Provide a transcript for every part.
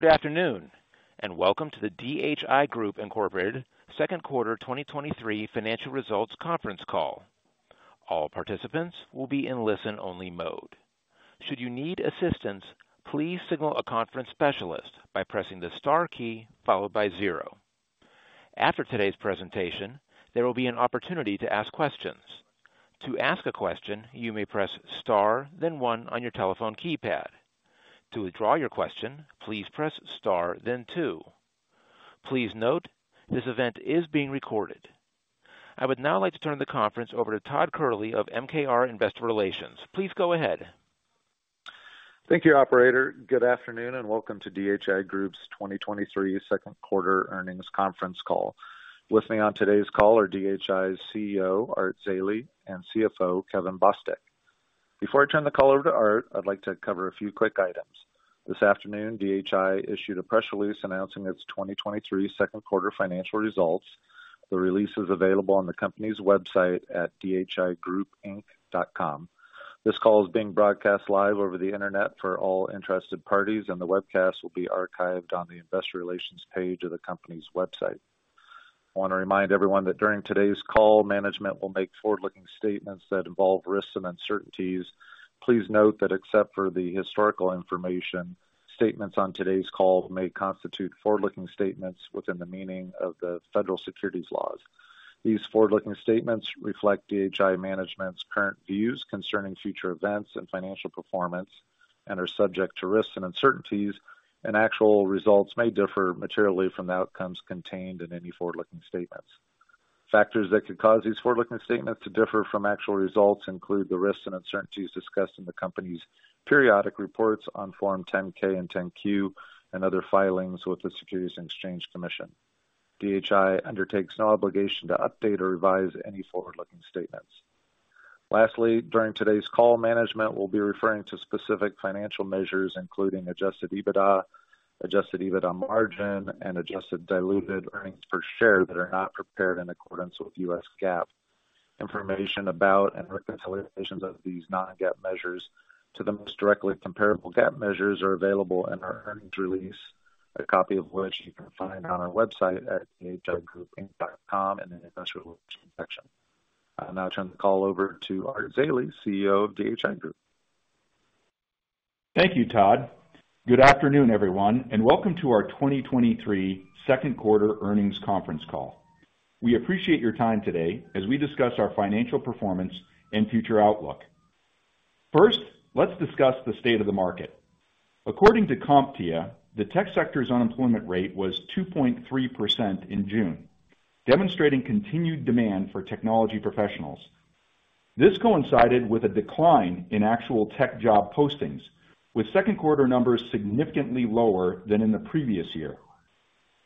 Good afternoon, and welcome to the DHI Group second quarter 2023 financial results conference call. All participants will be in listen-only mode. Should you need assistance, please signal a conference specialist by pressing the star key followed by zero. After today's presentation, there will be an opportunity to ask questions. To ask a question, you may press star, then one on your telephone keypad. To withdraw your question, please press star, then two. Please note, this event is being recorded. I would now like to turn the conference over to Todd Kehrli of MKR Investor Relations. Please go ahead. Thank you, operator. Good afternoon, welcome to DHI Group's second quarter earnings conference call. Listening on today's call are DHI's CEO, Art Zeile, and CFO, Kevin Bostick. Before I turn the call over to Art, I'd like to cover a few quick items. This afternoon, DHI issued a press release announcing its second quarter financial results. The release is available on the company's website at dhigroupinc.com. This call is being broadcast live over the Internet for all interested parties, and the webcast will be archived on the investor relations page of the company's website. I want to remind everyone that during today's call, management will make forward-looking statements that involve risks and uncertainties. Please note that except for the historical information, statements on today's call may constitute forward-looking statements within the meaning of the federal securities laws. These forward-looking statements reflect DHI Management's current views concerning future events and financial performance and are subject to risks and uncertainties, and actual results may differ materially from the outcomes contained in any forward-looking statements. Factors that could cause these forward-looking statements to differ from actual results include the risks and uncertainties discussed in the company's periodic reports on Form 10-K and 10-Q and other filings with the Securities and Exchange Commission. DHI undertakes no obligation to update or revise any forward-looking statements. Lastly, during today's call, management will be referring to specific financial measures, including Adjusted EBITDA, Adjusted EBITDA margin, and adjusted diluted earnings per share that are not prepared in accordance with US GAAP. Information about and reconciliations of these non-GAAP measures to the most directly comparable GAAP measures are available in our earnings release, a copy of which you can find on our website at dhigroupinc.com in the investor relations section. I'll now turn the call over to Art Zeile, CEO of DHI Group. Thank you, Todd Kehrli. Good afternoon, everyone, and welcome to our 2023 second quarter earnings conference call. We appreciate your time today as we discuss our financial performance and future outlook. First, let's discuss the state of the market. According to CompTIA, the tech sector's unemployment rate was 2.3% in June, demonstrating continued demand for technology professionals. This coincided with a decline in actual tech job postings, second quarter numbers significantly lower than in the previous year.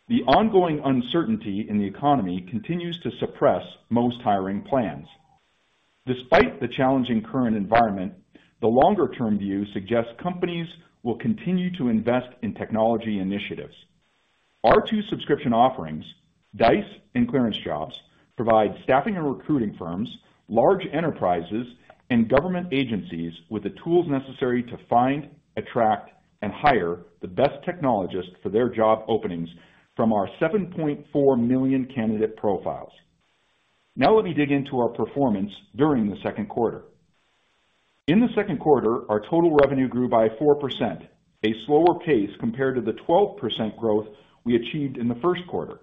The ongoing uncertainty in the economy continues to suppress most hiring plans. Despite the challenging current environment, the longer-term view suggests companies will continue to invest in technology initiatives. Our two subscription offerings, Dice and ClearanceJobs, provide staffing and recruiting firms, large enterprises, and government agencies with the tools necessary to find, attract, and hire the best technologists for their job openings from our 7.4 million candidate profiles. Now, let me dig into our performance during the second quarter. In the second quarter, our total revenue grew by 4%, a slower pace compared to the 12% growth we achieved in the first quarter.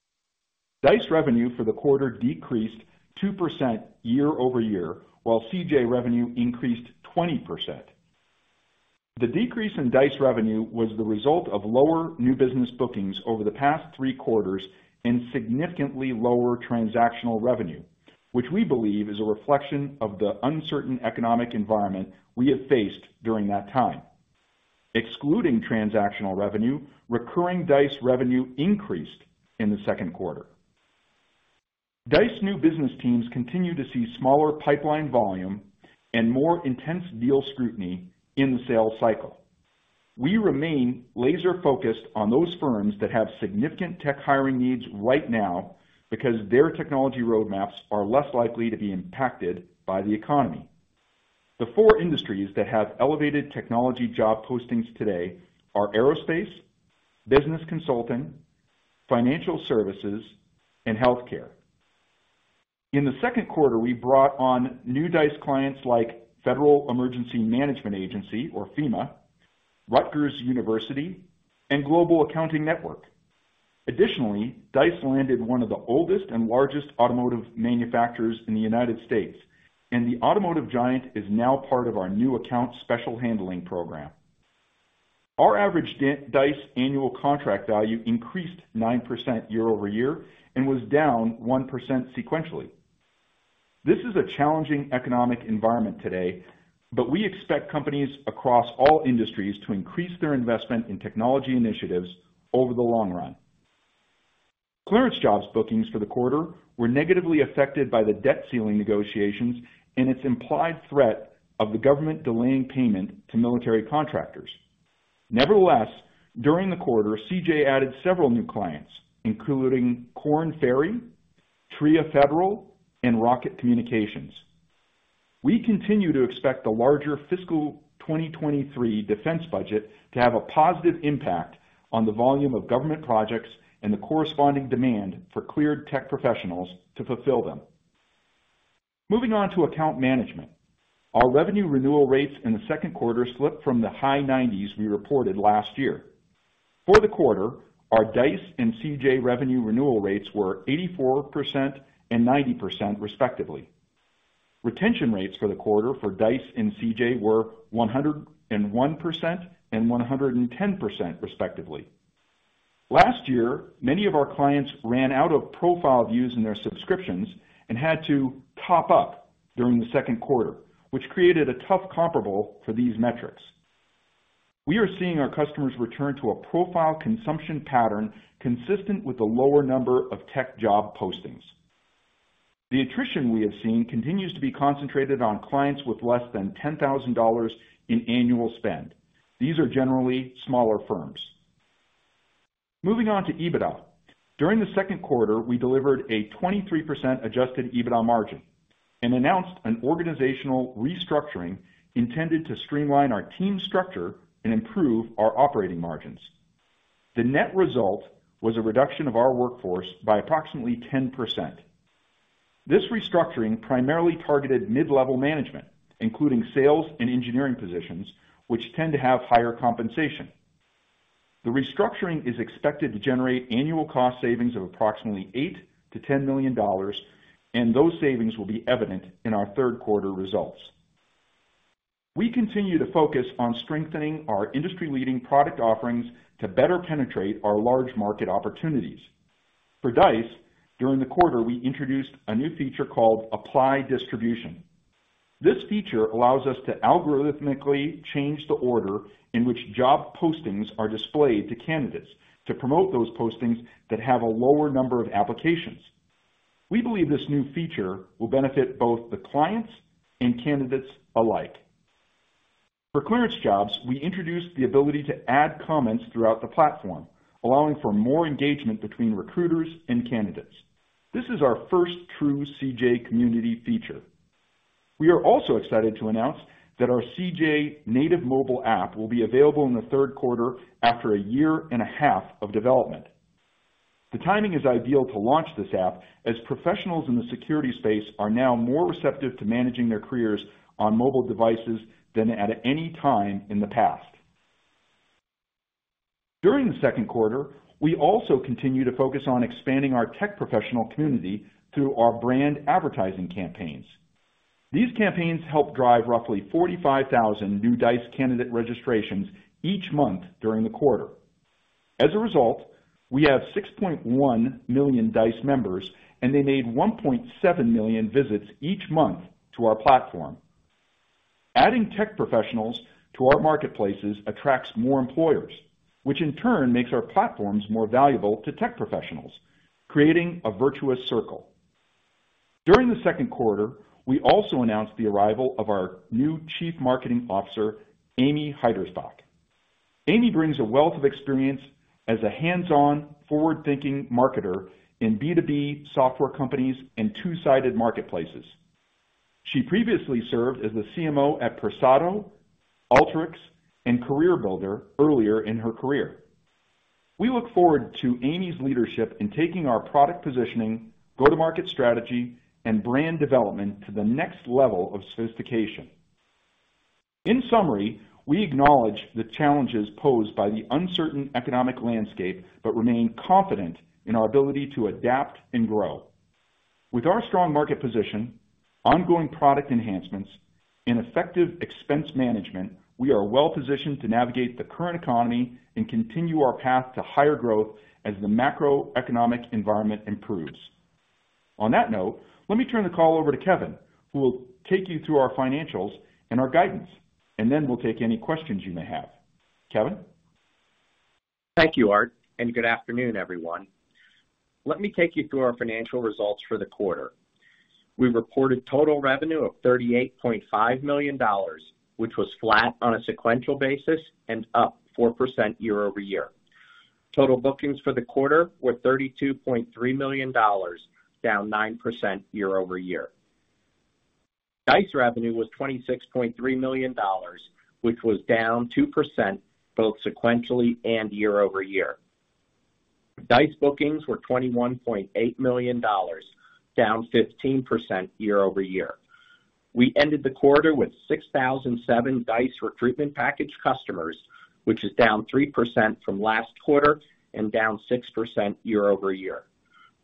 Dice revenue for the quarter decreased 2% year-over-year, while CJ revenue increased 20%. The decrease in Dice revenue was the result of lower new business bookings over the past three quarters and significantly lower transactional revenue, which we believe is a reflection of the uncertain economic environment we have faced during that time. Excluding transactional revenue, recurring Dice revenue increased in the second quarter. Dice new business teams continue to see smaller pipeline volume and more intense deal scrutiny in the sales cycle. We remain laser-focused on those firms that have significant tech hiring needs right now, because their technology roadmaps are less likely to be impacted by the economy. The four industries that have elevated technology job postings today are aerospace, business consulting, financial services, and healthcare. In the second quarter, we brought on new Dice clients like Federal Emergency Management Agency or FEMA, Rutgers University, and Global Accounting Network. Additionally, Dice landed one of the oldest and largest automotive manufacturers in the U.S., and the automotive giant is now part of our new account special handling program. Our average Dice annual contract value increased 9% year-over-year and was down 1% sequentially. This is a challenging economic environment today. We expect companies across all industries to increase their investment in technology initiatives over the long run. ClearanceJobs bookings for the quarter were negatively affected by the debt ceiling negotiations and its implied threat of the government delaying payment to military contractors. Nevertheless, during the quarter, CJ added several new clients, including Korn Ferry, Tria Federal, and Rocket Communications. We continue to expect the larger fiscal 2023 defense budget to have a positive impact on the volume of government projects and the corresponding demand for cleared tech professionals to fulfill them. Moving on to account management. Our revenue renewal rates in the second quarter slipped from the high nineties we reported last year. For the quarter, our Dice and CJ revenue renewal rates were 84% and 90%, respectively. Retention rates for the quarter for Dice and CJ were 101% and 110%, respectively. Last year, many of our clients ran out of profile views in their subscriptions and had to top up during the second quarter, which created a tough comparable for these metrics. We are seeing our customers return to a profile consumption pattern consistent with the lower number of tech job postings. The attrition we have seen continues to be concentrated on clients with less than $10,000 in annual spend. These are generally smaller firms. Moving on to EBITDA. During the second quarter, we delivered a 23% adjusted EBITDA margin and announced an organizational restructuring intended to streamline our team structure and improve our operating margins. The net result was a reduction of our workforce by approximately 10%. This restructuring primarily targeted mid-level management, including sales and engineering positions, which tend to have higher compensation. The restructuring is expected to generate annual cost savings of approximately $8 million-$10 million, and those savings will be evident in our third quarter results. We continue to focus on strengthening our industry-leading product offerings to better penetrate our large market opportunities. For Dice, during the quarter, we introduced a new feature called Apply Distribution. This feature allows us to algorithmically change the order in which job postings are displayed to candidates to promote those postings that have a lower number of applications. We believe this new feature will benefit both the clients and candidates alike. For ClearanceJobs, we introduced the ability to add comments throughout the platform, allowing for more engagement between recruiters and candidates. This is our first true CJ community feature. We are also excited to announce that our CJ native mobile app will be available in the third quarter after a year and a half of development. The timing is ideal to launch this app, as professionals in the security space are now more receptive to managing their careers on mobile devices than at any time in the past. During the second quarter, we also continued to focus on expanding our tech professional community through our brand advertising campaigns. These campaigns helped drive roughly 45,000 new Dice candidate registrations each month during the quarter. As a result, we have 6.1 million Dice members, and they made 1.7 million visits each month to our platform. Adding tech professionals to our marketplaces attracts more employers, which in turn makes our platforms more valuable to tech professionals, creating a virtuous circle. During the second quarter, we also announced the arrival of our new Chief Marketing Officer, Amy Heidersbach. Amy brings a wealth of experience as a hands-on, forward-thinking marketer in B2B software companies and two-sided marketplaces. She previously served as the CMO at Persado, Alteryx, and CareerBuilder earlier in her career. We look forward to Amy's leadership in taking our product positioning, go-to-market strategy, and brand development to the next level of sophistication. In summary, we acknowledge the challenges posed by the uncertain economic landscape, but remain confident in our ability to adapt and grow. With our strong market position, ongoing product enhancements, and effective expense management, we are well positioned to navigate the current economy and continue our path to higher growth as the macroeconomic environment improves. On that note, let me turn the call over to Kevin, who will take you through our financials and our guidance, and then we'll take any questions you may have. Kevin? Thank you, Art, and good afternoon, everyone. Let me take you through our financial results for the quarter. We reported total revenue of $38.5 million, which was flat on a sequential basis and up 4% year-over-year. Total bookings for the quarter were $32.3 million, down 9% year-over-year. Dice revenue was $26.3 million, which was down 2%, both sequentially and year-over-year. Dice bookings were $21.8 million, down 15% year-over-year. We ended the quarter with 6,007 Dice recruitment package customers, which is down 3% from last quarter and down 6% year-over-year.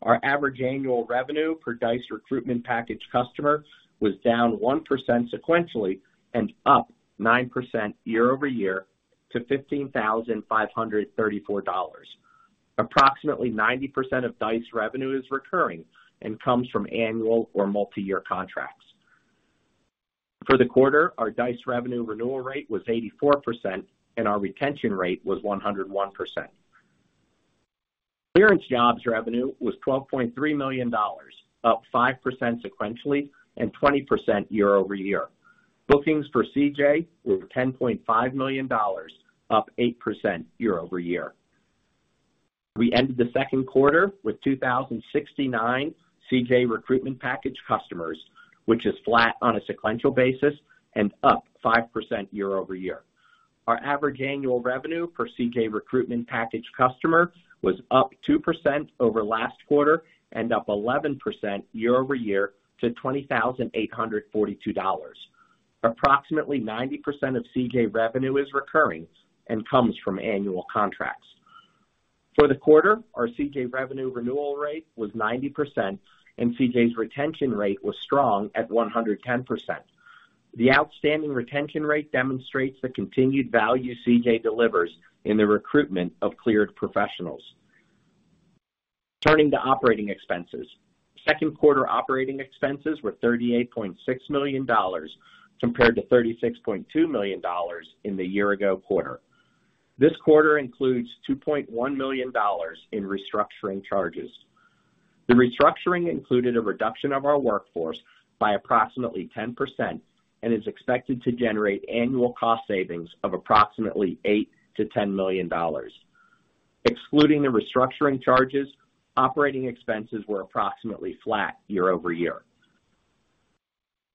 Our average annual revenue per Dice recruitment package customer was down 1% sequentially and up 9% year-over-year to $15,534. Approximately 90% of Dice revenue is recurring and comes from annual or multiyear contracts. For the quarter, our Dice revenue renewal rate was 84% and our retention rate was 101%. ClearanceJobs revenue was $12.3 million, up 5% sequentially and 20% year-over-year. Bookings for CJ were $10.5 million, up 8% year-over-year. We ended the second quarter with 2,069 CJ recruitment package customers, which is flat on a sequential basis and up 5% year-over-year. Our average annual revenue per CJ recruitment package customer was up 2% over last quarter and up 11% year-over-year to $20,842. Approximately 90% of CJ revenue is recurring and comes from annual contracts. For the quarter, our CJ revenue renewal rate was 90%, and CJ's retention rate was strong at 110%. The outstanding retention rate demonstrates the continued value CJ delivers in the recruitment of cleared professionals. Turning to operating second quarter operating expenses were $38.6 million, compared to $36.2 million in the year-ago quarter. This quarter includes $2.1 million in restructuring charges. The restructuring included a reduction of our workforce by approximately 10% and is expected to generate annual cost savings of approximately $8 million-$10 million. Excluding the restructuring charges, operating expenses were approximately flat year-over-year.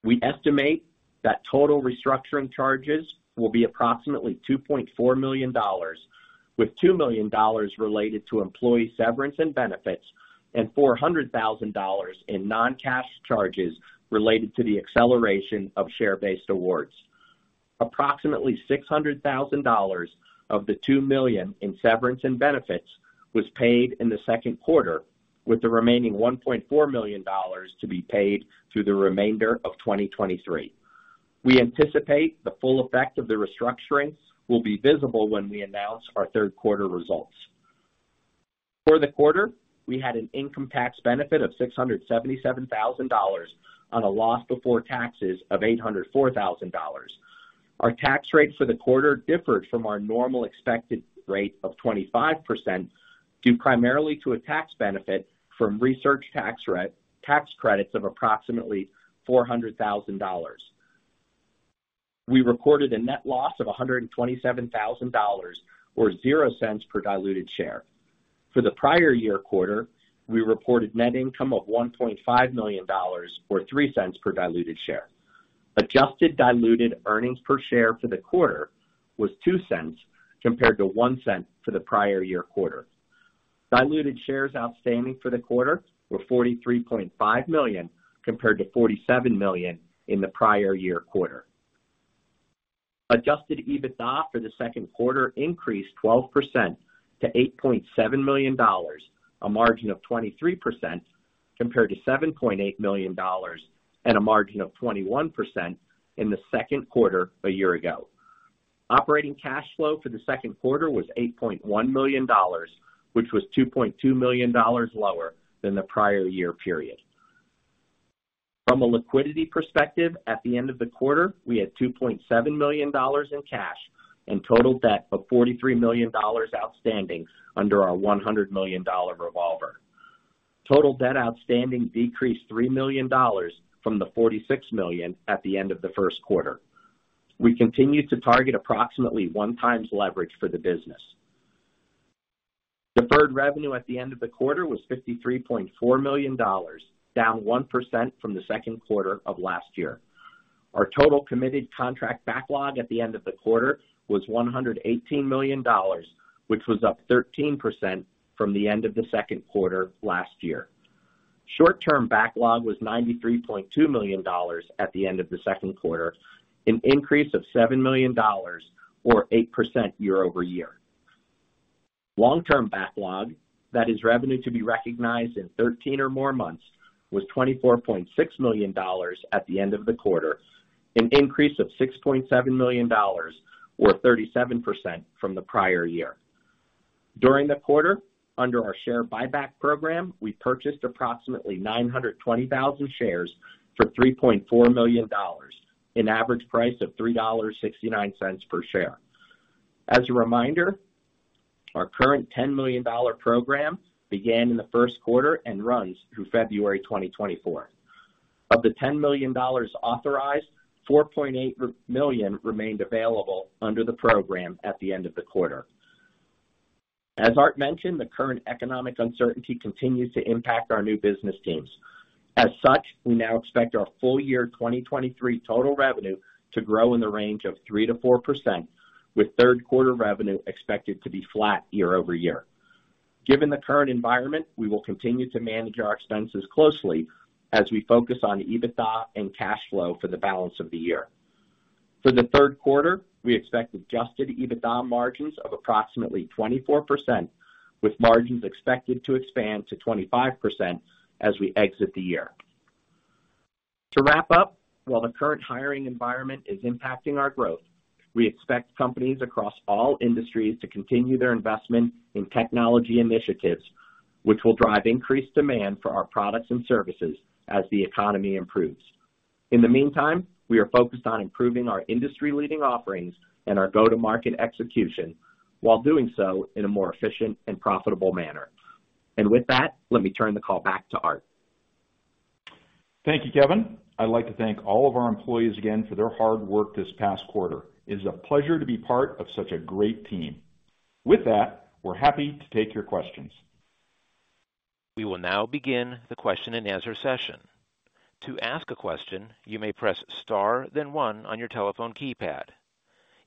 We estimate that total restructuring charges will be approximately $2.4 million, with $2 million related to employee severance and benefits and $400,000 in non-cash charges related to the acceleration of share-based awards. Approximately $600,000 of the $2 million in severance and benefits was paid in the second quarter, with the remaining $1.4 million to be paid through the remainder of 2023. We anticipate the full effect of the restructuring will be visible when we announce our third quarter results. For the quarter, we had an income tax benefit of $677,000 on a loss before taxes of $804,000. Our tax rate for the quarter differed from our normal expected rate of 25%, due primarily to a tax benefit from research tax credits of approximately $400,000. We recorded a net loss of $127,000, or $0.00 per diluted share. For the prior year quarter, we reported net income of $1.5 million, or $0.03 per diluted share. Adjusted diluted earnings per share for the quarter was $0.02, compared to $0.01 for the prior year quarter. Diluted shares outstanding for the quarter were $43.5 million, compared to $47 million in the prior year quarter. Adjusted EBITDA for second quarter increased 12% to $8.7 million, a margin of 23%, compared to $7.8 million, and a margin of 21% in the second quarter a year ago. Operating cash flow for second quarter was $8.1 million, which was $2.2 million lower than the prior year period. From a liquidity perspective, at the end of the quarter, we had $2.7 million in cash and total debt of $43 million outstanding under our $100 million revolver. Total debt outstanding decreased $3 million from the $46 million at the end of the first quarter. We continue to target approximately 1x leverage for the business. Deferred revenue at the end of the quarter was $53.4 million, down 1% from the second quarter of last year. Our total committed contract backlog at the end of the quarter was $118 million, which was up 13% from the end of the second quarter last year. Short-term backlog was $93.2 million at the end of the second quarter, an increase of $7 million or 8% year-over-year. Long-term backlog, that is revenue to be recognized in 13 or more months, was $24.6 million at the end of the quarter, an increase of $6.7 million or 37% from the prior year. During the quarter, under our share buyback program, we purchased approximately 920,000 shares for $3.4 million, an average price of $3.69 per share. As a reminder, our current $10 million program began in the first quarter and runs through February 2024. Of the $10 million authorized, $4.8 million remained available under the program at the end of the quarter. As Art mentioned, the current economic uncertainty continues to impact our new business teams. As such, we now expect our full year 2023 total revenue to grow in the range of 3%-4%, with third quarter revenue expected to be flat year-over-year. Given the current environment, we will continue to manage our expenses closely as we focus on EBITDA and cash flow for the balance of the year. For the third quarter, we expect Adjusted EBITDA margins of approximately 24%, with margins expected to expand to 25% as we exit the year. To wrap up, while the current hiring environment is impacting our growth, we expect companies across all industries to continue their investment in technology initiatives, which will drive increased demand for our products and services as the economy improves. In the meantime, we are focused on improving our industry-leading offerings and our go-to-market execution while doing so in a more efficient and profitable manner. With that, let me turn the call back to Art. Thank you, Kevin. I'd like to thank all of our employees again for their hard work this past quarter. It is a pleasure to be part of such a great team. With that, we're happy to take your questions. We will now begin the question and answer session. To ask a question, you may press star then one on your telephone keypad.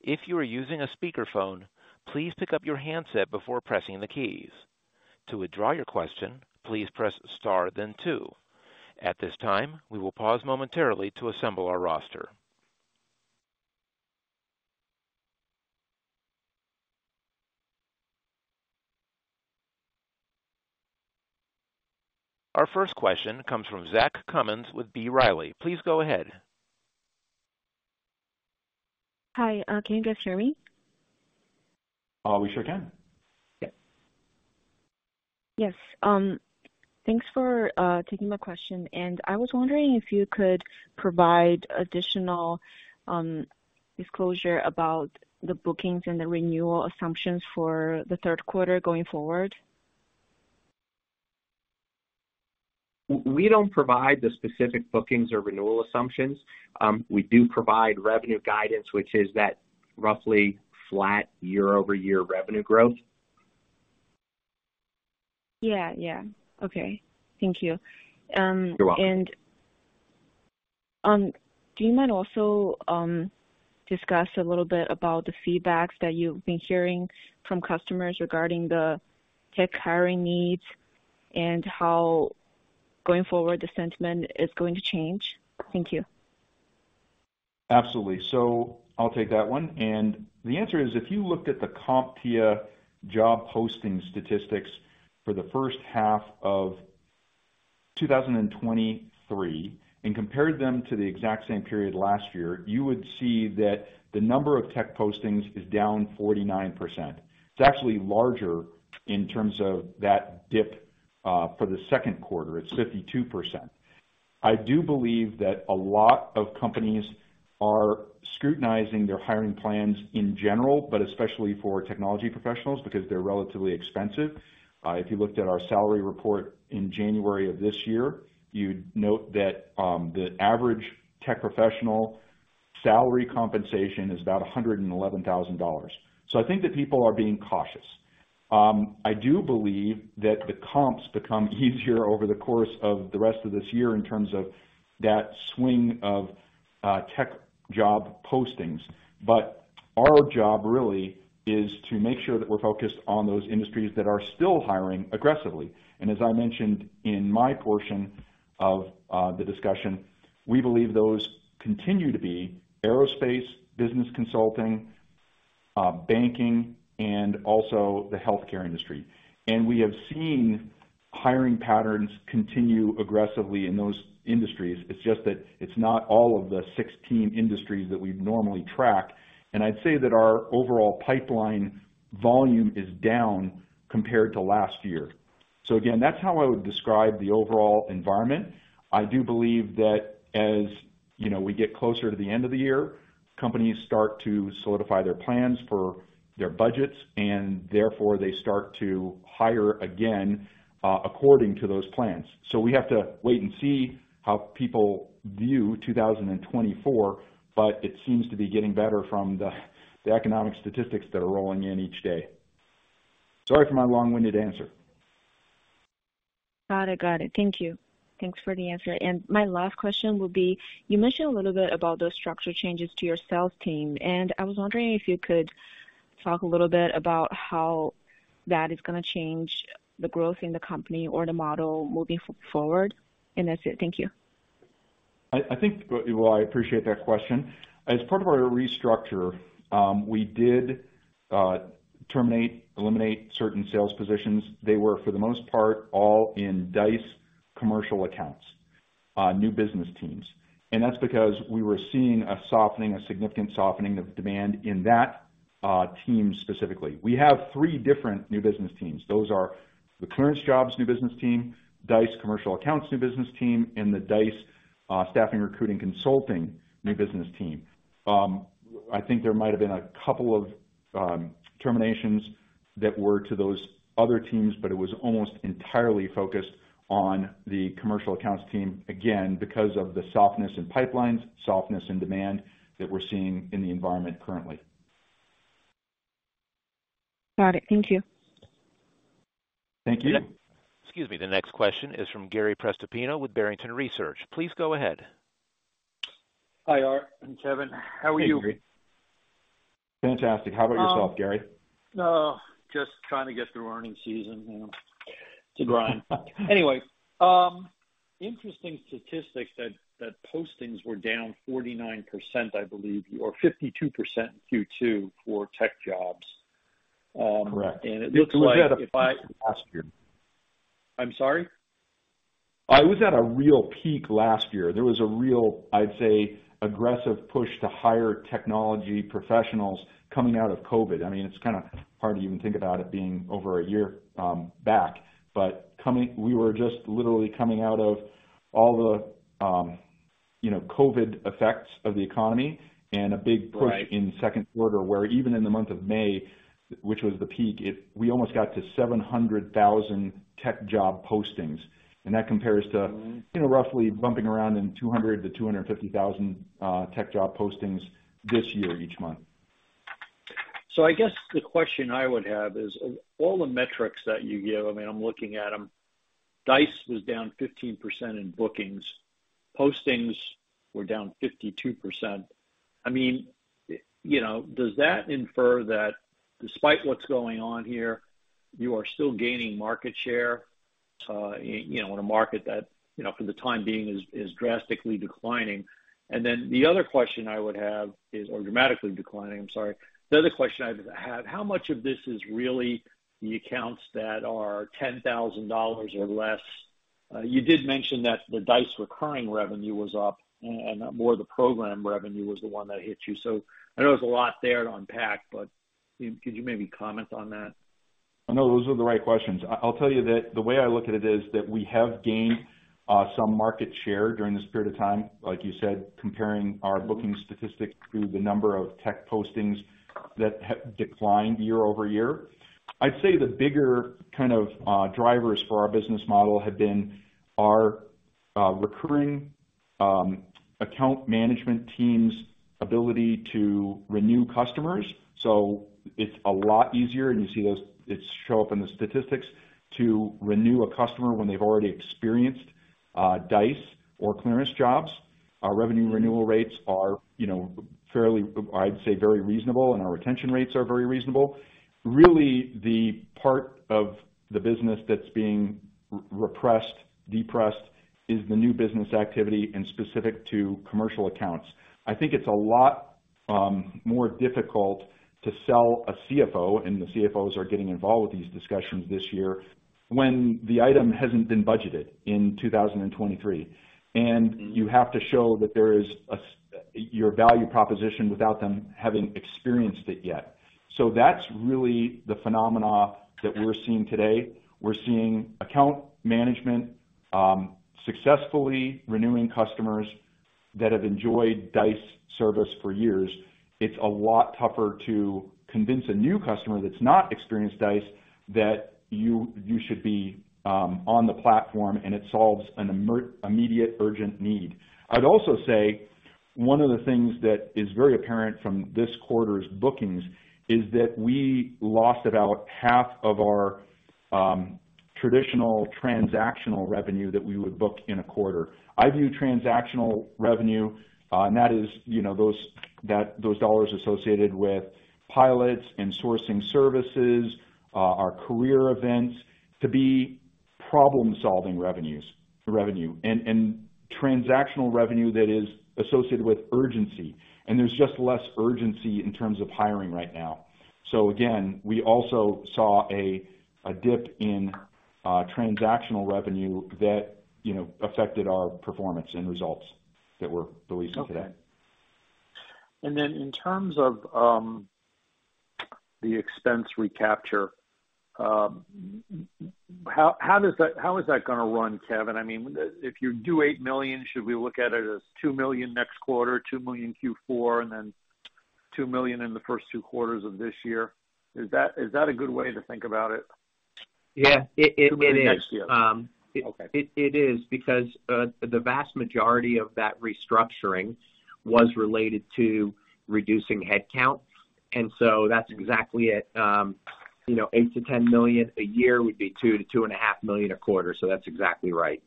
If you are using a speakerphone, please pick up your handset before pressing the keys. To withdraw your question, please press star then two. At this time, we will pause momentarily to assemble our roster. Our first question comes from Zach Cummins with B. Riley. Please go ahead. Hi, can you guys hear me? We sure can. Yes. Yes. Thanks for taking my question. I was wondering if you could provide additional disclosure about the bookings and the renewal assumptions for the third quarter going forward. We don't provide the specific bookings or renewal assumptions. We do provide revenue guidance, which is that roughly flat year-over-year revenue growth. Yeah, yeah. Okay. Thank you. You're welcome. Do you mind also, discuss a little bit about the feedback that you've been hearing from customers regarding the tech hiring needs and how, going forward, the sentiment is going to change? Thank you. Absolutely. I'll take that one. The answer is, if you looked at the CompTIA job posting statistics for the first half of 2023, and compared them to the exact same period last year, you would see that the number of tech postings is down 49%. It's actually larger in terms of that dip, for the second quarter, it's 52%. I do believe that a lot of companies are scrutinizing their hiring plans in general, but especially for technology professionals, because they're relatively expensive. If you looked at our salary report in January of this year, you'd note that the average tech professional salary compensation is about $111,000. I think that people are being cautious. I do believe that the comps become easier over the course of the rest of this year in terms of that swing of tech job postings. Our job really is to make sure that we're focused on those industries that are still hiring aggressively. As I mentioned in my portion of the discussion, we believe those continue to be aerospace, business consulting, banking, and also the healthcare industry. We have seen hiring patterns continue aggressively in those industries. It's just that it's not all of the 16 industries that we've normally tracked, and I'd say that our overall pipeline volume is down compared to last year. Again, that's how I would describe the overall environment. I do believe that as, you know, we get closer to the end of the year, companies start to solidify their plans for their budgets, and therefore they start to hire again, according to those plans. We have to wait and see how people view 2024, but it seems to be getting better from the economic statistics that are rolling in each day. Sorry for my long-winded answer. Got it. Got it. Thank you. Thanks for the answer. My last question will be: you mentioned a little bit about those structural changes to your sales team, and I was wondering if you could talk a little bit about how that is gonna change the growth in the company or the model moving forward? That's it. Thank you. I, I think... Well, I appreciate that question. As part of our restructure, we did terminate, eliminate certain sales positions. They were, for the most part, all in Dice commercial accounts new business teams. That's because we were seeing a softening, a significant softening of demand in that team specifically. We have three different new business teams. Those are the ClearanceJobs new business team, Dice commercial accounts new business team, and the Dice staffing, recruiting, consulting new business team. I think there might have been a couple of terminations that were to those other teams, but it was almost entirely focused on the commercial accounts team, again, because of the softness in pipelines, softness in demand that we're seeing in the environment currently. Got it. Thank you. Thank you. Excuse me. The next question is from Gary Prestopino with Barrington Research. Please go ahead. Hi, Art and Kevin. How are you? Fantastic. How about yourself, Gary? Just trying to get through earning season, you know. It's a grind. Anyway, interesting statistics that, that postings were down 49%, I believe, or 52% in Q2 for tech jobs. Correct. It looks like if. Last year. I'm sorry? I was at a real peak last year. There was a real, I'd say, aggressive push to hire technology professionals coming out of COVID. I mean, it's kind of hard to even think about it being over a year back, but we were just literally coming out of all the, you know, COVID effects of the economy and a big push... Right. In second quarter, where even in the month of May, which was the peak, we almost got to 700,000 tech job postings. That compares to. Mm. You know, roughly bumping around in 200,000-250,000 tech job postings this year, each month. I guess the question I would have is, of all the metrics that you give, I mean, I'm looking at them, Dice was down 15% in bookings, postings were down 52%. I mean, you know, does that infer that despite what's going on here, you are still gaining market share, you know, in a market that, you know, for the time being is, is drastically declining? The other question I would have is or dramatically declining, I'm sorry. The other question I'd have: how much of this is really the accounts that are $10,000 or less? You did mention that the Dice recurring revenue was up and, and more of the program revenue was the one that hit you. I know there's a lot there to unpack, but could you maybe comment on that? No, those are the right questions. I, I'll tell you that the way I look at it is that we have gained some market share during this period of time, like you said, comparing our booking statistics to the number of tech postings that declined year-over-year. I'd say the bigger kind of drivers for our business model have been our recurring account management team's ability to renew customers. It's a lot easier, and you see those, it show up in the statistics, to renew a customer when they've already experienced Dice or ClearanceJobs. Our revenue renewal rates are, you know, fairly, I'd say, very reasonable, and our retention rates are very reasonable. Really, the part of the business that's being repressed, depressed, is the new business activity and specific to commercial accounts. I think it's a lot more difficult to sell a CFO, and the CFOs are getting involved with these discussions this year, when the item hasn't been budgeted in 2023. You have to show that there is your value proposition without them having experienced it yet. That's really the phenomena that we're seeing today. We're seeing account management successfully renewing customers that have enjoyed Dice service for years. It's a lot tougher to convince a new customer that's not experienced Dice that you, you should be on the platform, and it solves an immediate, urgent need. I'd also say one of the things that is very apparent from this quarter's bookings is that we lost about half of our traditional transactional revenue that we would book in a quarter. I view transactional revenue, and that is, you know, those, that, those dollars associated with pilots and sourcing services, our career events, to be problem-solving revenues, revenue, and, and transactional revenue that is associated with urgency, and there's just less urgency in terms of hiring right now. Again, we also saw a, a dip in transactional revenue that, you know, affected our performance and results that we're releasing today. Okay. Then in terms of the expense recapture, how is that gonna run, Kevin? I mean, if you do $8 million, should we look at it as $2 million next quarter, $2 Q4, and then $2 million in the first two quarters of this year? Is that, is that a good way to think about it? Yeah, it, it, it is. Okay. It, it is because, the vast majority of that restructuring was related to reducing headcount, and so that's exactly it. You know, $8 million-$10 million a year would be $2 million-$2.5 million a quarter, so that's exactly right.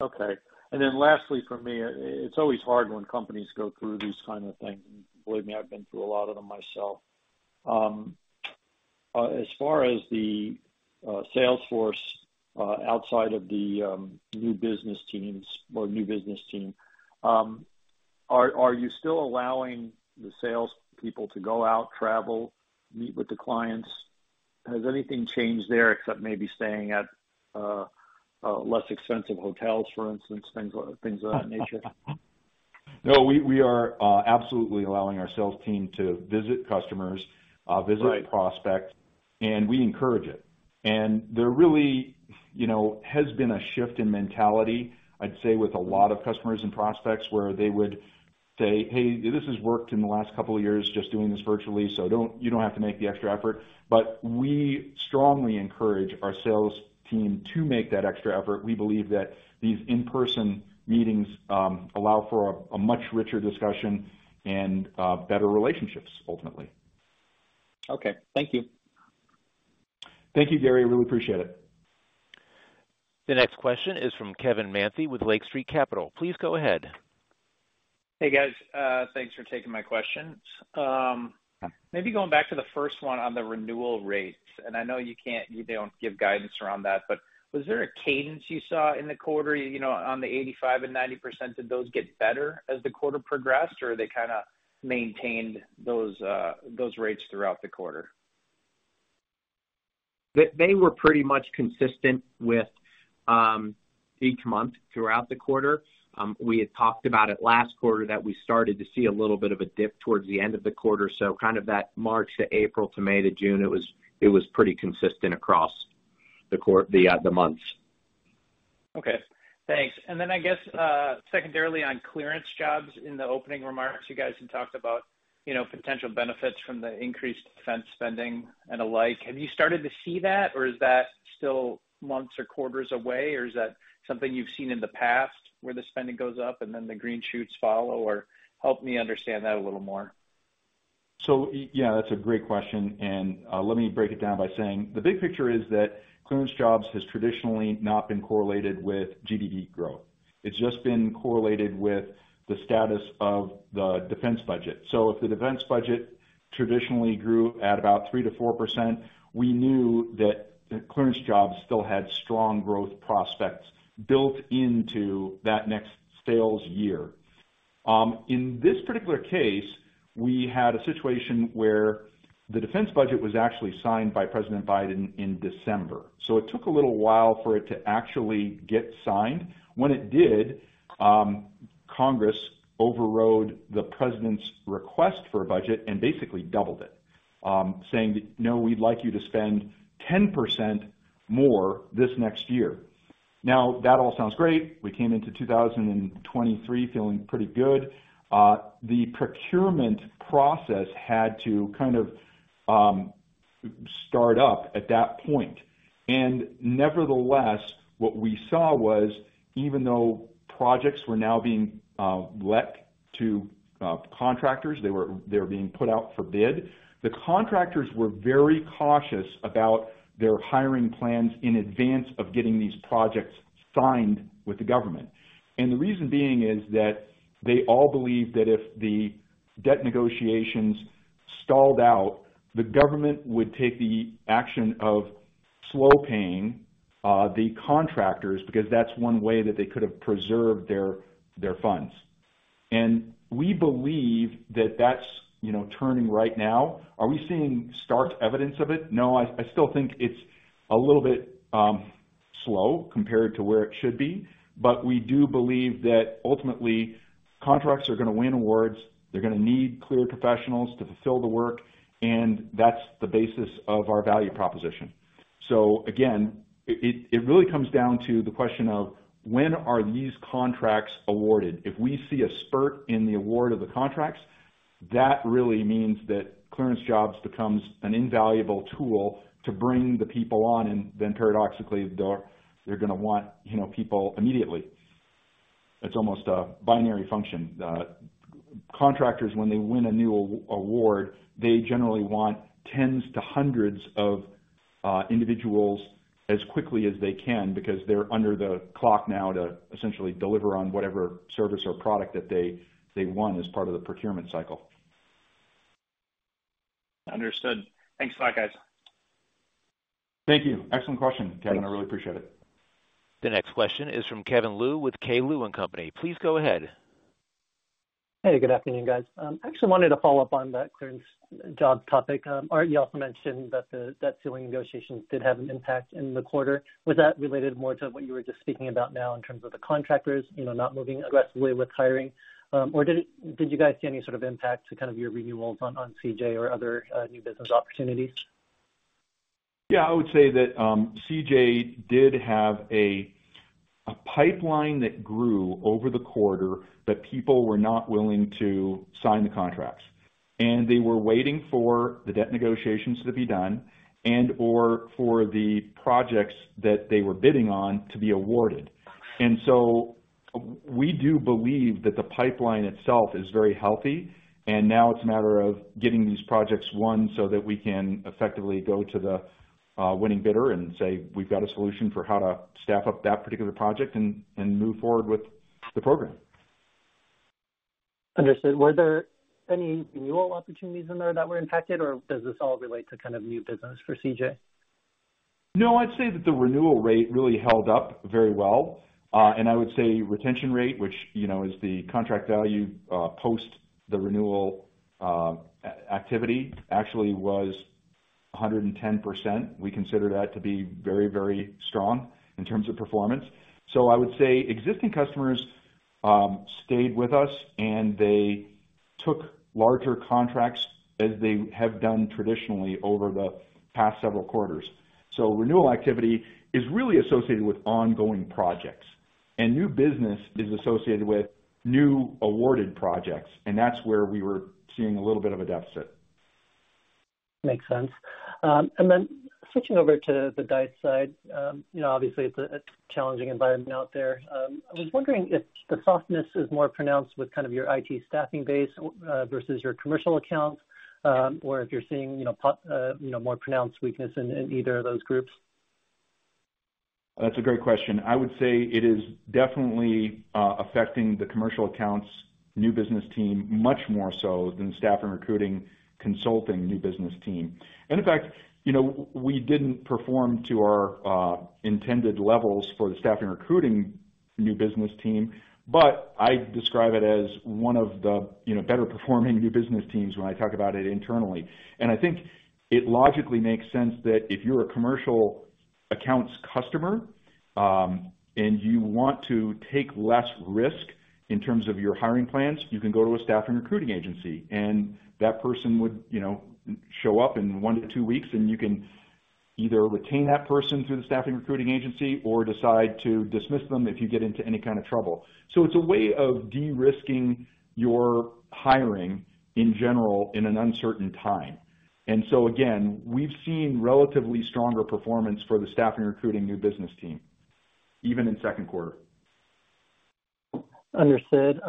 Okay. Then lastly, for me, it's always hard when companies go through these kind of things, and believe me, I've been through a lot of them myself. As far as the sales force, outside of the new business teams or new business team, are, are you still allowing the salespeople to go out, travel, meet with the clients? Has anything changed there, except maybe staying at less expensive hotels, for instance, things, things of that nature? No, we, we are, absolutely allowing our sales team to visit customers. Right visit prospects, we encourage it. There really, you know, has been a shift in mentality, I'd say, with a lot of customers and prospects, where they would say, "Hey, this has worked in the last couple of years, just doing this virtually, so don't you don't have to make the extra effort." We strongly encourage our sales team to make that extra effort. We believe that these in-person meetings allow for a much richer discussion and better relationships ultimately. Okay. Thank you. Thank you, Gary. I really appreciate it. The next question is from Kevin Manthie with Lake Street Capital. Please go ahead. Hey, guys. Thanks for taking my questions. maybe going back to the first one on the renewal rates, and I know you can't -- you don't give guidance around that, but was there a cadence you saw in the quarter, you know, on the 85% and 90%? Did those get better as the quarter progressed, or they kind of maintained those rates throughout the quarter? They were pretty much consistent with each month throughout the quarter. We had talked about it last quarter, that we started to see a little bit of a dip towards the end of the quarter, so kind of that March to April to May to June, it was, it was pretty consistent across the months. Okay, thanks. Then I guess, secondarily, on ClearanceJobs, in the opening remarks, you guys had talked about, you know, potential benefits from the increased defense spending and the like. Have you started to see that, or is that still months or quarters away, or is that something you've seen in the past, where the spending goes up and then the green shoots follow? Help me understand that a little more. Yeah, that's a great question, and let me break it down by saying the big picture is that ClearanceJobs has traditionally not been correlated with GDP growth. It's just been correlated with the status of the defense budget. If the defense budget traditionally grew at about 3%-4%, we knew that ClearanceJobs still had strong growth prospects built into that next sales year. In this particular case, we had a situation where the defense budget was actually signed by President Biden in December, so it took a little while for it to actually get signed. When it did, Congress overrode the President's request for a budget and basically doubled it, saying, "No, we'd like you to spend 10% more this next year." That all sounds great. We came into 2023 feeling pretty good. The procurement process had to kind of start up at that point. Nevertheless, what we saw was even though projects were now being let to contractors, they were being put out for bid, the contractors were very cautious about their hiring plans in advance of getting these projects signed with the government. The reason being is that they all believed that if the debt negotiations stalled out, the government would take the action of slow paying the contractors, because that's one way that they could have preserved their, their funds. We believe that that's, you know, turning right now. Are we seeing stark evidence of it? I, I still think it's a little bit, slow compared to where it should be. We do believe that ultimately, contracts are going to win awards, they're going to need clear professionals to fulfill the work, and that's the basis of our value proposition. Again, it, it, it really comes down to the question of when are these contracts awarded? If we see a spurt in the award of the contracts, that really means that ClearanceJobs becomes an invaluable tool to bring the people on, and then paradoxically, they're, they're going to want, you know, people immediately. It's almost a binary function. Contractors, when they win a new award, they generally want 10s to 100s of individuals as quickly as they can because they're under the clock now to essentially deliver on whatever service or product that they, they won as part of the procurement cycle. Understood. Thanks a lot, guys. Thank you. Excellent question, Kevin. Thanks. I really appreciate it. The next question is from Kevin Liu with K. Liu & Company. Please go ahead. Hey, good afternoon, guys. I actually wanted to follow up on that ClearanceJobs topic. Art, you also mentioned that the debt ceiling negotiations did have an impact in the quarter. Was that related more to what you were just speaking about now, in terms of the contractors, you know, not moving aggressively with hiring, or did you guys see any sort of impact to kind of your renewals on CJ or other new business opportunities? Yeah, I would say that CJ did have a pipeline that grew over the quarter, but people were not willing to sign the contracts, and they were waiting for the debt negotiations to be done and/or for the projects that they were bidding on to be awarded. So we do believe that the pipeline itself is very healthy, and now it's a matter of getting these projects won so that we can effectively go to the winning bidder and say, "We've got a solution for how to staff up that particular project and, and move forward with the program. Understood. Were there any renewal opportunities in there that were impacted, or does this all relate to kind of new business for CJ? No, I'd say that the renewal rate really held up very well. I would say retention rate, which, you know, is the contract value, post the renewal activity, actually was 110%. We consider that to be very, very strong in terms of performance. I would say existing customers stayed with us, and they took larger contracts, as they have done traditionally over the past several quarters. Renewal activity is really associated with ongoing projects, and new business is associated with new awarded projects, and that's where we were seeing a little bit of a deficit. Makes sense. Then switching over to the Dice side. You know, obviously it's a, a challenging environment out there. I was wondering if the softness is more pronounced with kind of your IT staffing base versus your commercial accounts, or if you're seeing, you know, more pronounced weakness in, in either of those groups? That's a great question. I would say it is definitely affecting the commercial accounts' new business team, much more so than staffing, recruiting, consulting new business team. In fact, you know, we didn't perform to our intended levels for the staffing recruiting new business team, but I describe it as one of the, you know, better performing new business teams when I talk about it internally. I think it logically makes sense that if you're a commercial accounts customer, and you want to take less risk in terms of your hiring plans, you can go to a staffing recruiting agency, and that person would, you know, show up in one to two weeks, and you can either retain that person through the staffing recruiting agency or decide to dismiss them if you get into any kind of trouble. It's a way of de-risking your hiring in general in an uncertain time. Again, we've seen relatively stronger performance for the staffing, recruiting, new business team, even in second quarter. Understood.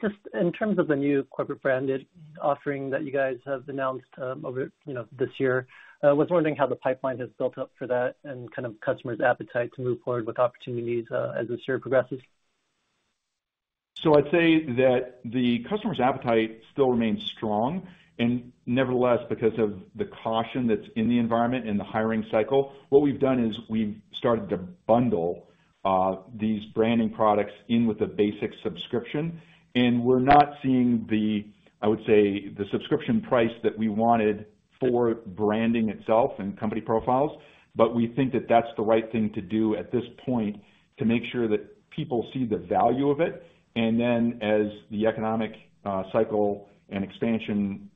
Just in terms of the new corporate branded offering that you guys have announced, over, you know, this year, was wondering how the pipeline has built up for that and kind of customers' appetite to move forward with opportunities as this year progresses. I'd say that the customer's appetite still remains strong, nevertheless, because of the caution that's in the environment, in the hiring cycle, what we've done is we've started to bundle these branding products in with a basic subscription, we're not seeing the, I would say, the subscription price that we wanted for branding itself and company profiles. We think that that's the right thing to do at this point to make sure that people see the value of it. Then, as the economic cycle and expansion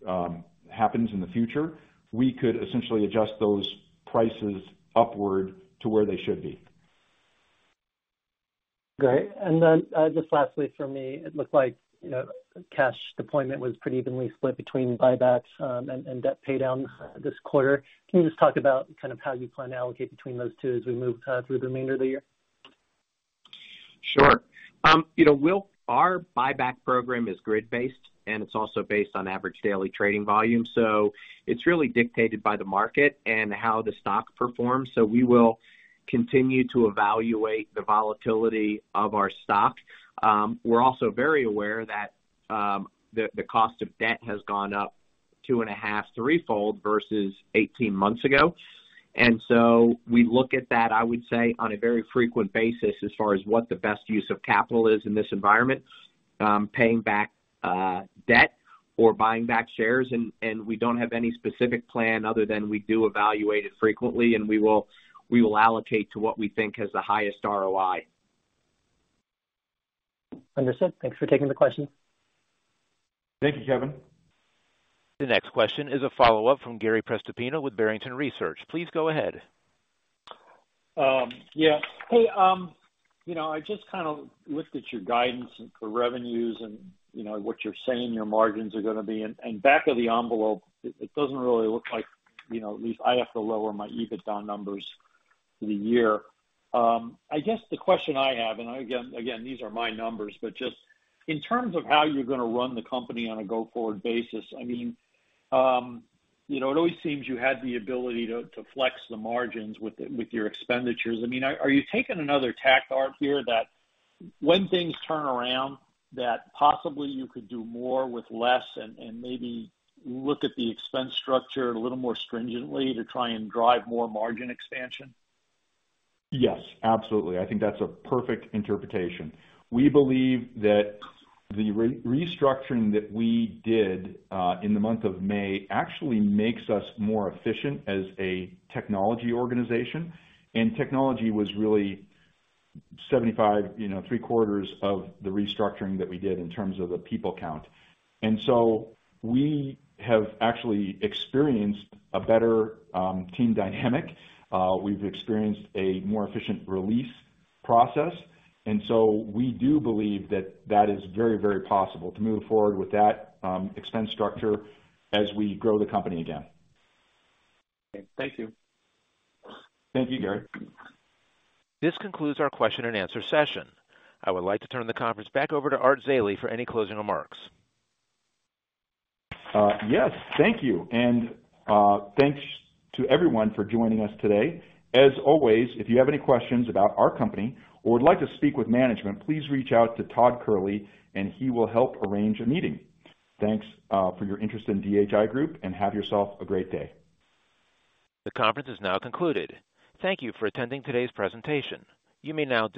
happens in the future, we could essentially adjust those prices upward to where they should be. Great. Then, just lastly for me, it looks like, you know, cash deployment was pretty evenly split between buybacks, and debt paydown this quarter. Can you just talk about kind of how you plan to allocate between those two as we move through the remainder of the year? Sure. you know, our buyback program is grid-based, and it's also based on average daily trading volume, so it's really dictated by the market and how the stock performs. We will continue to evaluate the volatility of our stock. We're also very aware that, the, the cost of debt has gone up 2.5, threefold versus 18 months ago. We look at that, I would say, on a very frequent basis as far as what the best use of capital is in this environment, paying back, debt or buying back shares. We don't have any specific plan other than we do evaluate it frequently, and we will, we will allocate to what we think has the highest ROI. Understood. Thanks for taking the question. Thank you, Kevin. The next question is a follow-up from Gary Prestopino with Barrington Research. Please go ahead. Yeah. Hey, you know, I just kind of looked at your guidance for revenues and, you know, what you're saying your margins are gonna be, and, and back of the envelope, it, it doesn't really look like, you know, at least I have to lower my EBITDA numbers for the year. I guess the question I have, and again, again, these are my numbers, but just in terms of how you're gonna run the company on a go-forward basis, I mean, you know, it always seems you had the ability to, to flex the margins with, with your expenditures. I mean, are, are you taking another tack, Art, here, that when things turn around, that possibly you could do more with less and, and maybe look at the expense structure a little more stringently to try and drive more margin expansion? Yes, absolutely. I think that's a perfect interpretation. We believe that the restructuring that we did in the month of May actually makes us more efficient as a technology organization, technology was really 75, you know, three-quarters of the restructuring that we did in terms of the people count. We have actually experienced a better team dynamic. We've experienced a more efficient release process, we do believe that that is very, very possible to move forward with that expense structure as we grow the company again. Okay. Thank you. Thank you, Gary. This concludes our question and answer session. I would like to turn the conference back over to Art Zeile for any closing remarks. Yes, thank you. Thanks to everyone for joining us today. As always, if you have any questions about our company or would like to speak with management, please reach out to Todd Kehrli. He will help arrange a meeting. Thanks for your interest in DHI Group. Have yourself a great day. The conference is now concluded. Thank you for attending today's presentation. You may now disconnect.